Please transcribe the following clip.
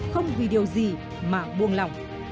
không vì điều gì mà buông lòng